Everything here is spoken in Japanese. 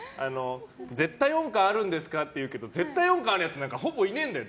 絶対音感あるんですかって言うけど絶対音感あるやつなんてほぼいねーんだよ！